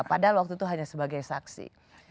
padahal waktu itu hanya sebagai saksi